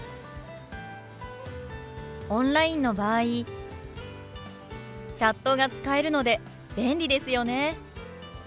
オンラインの場合チャットが使えるので便利ですよね。